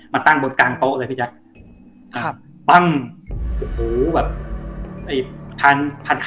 มาตั้งบนกลางโต๊ะเลยพี่แจ๊กครับปั้ง